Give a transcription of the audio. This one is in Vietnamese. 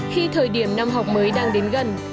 khi thời điểm năm học mới đang đến gần